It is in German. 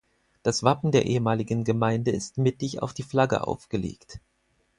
Das Wappen der ehemaligen Gemeinde ist mittig auf die Flagge aufgelegt.